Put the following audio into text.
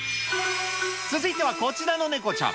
続いてはこちらのネコちゃん。